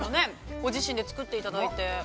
ご自身で作っていただいて。